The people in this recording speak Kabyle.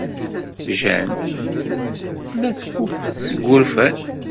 Jane tella tekkuffet seg wurfan.